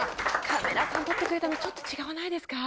カメラさん撮ってくれたのちょっと違わないですか？